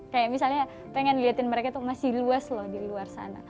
kayak misalnya pengen liatin mereka tuh masih luas loh di luar sana